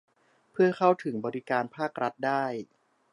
เพื่อเข้าถึงบริการภาครัฐได้